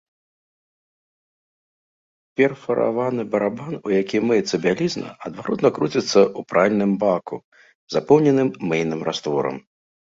Перфараваны барабан, у якім мыецца бялізна, адваротна круціцца ў пральным баку, запоўненым мыйным растворам.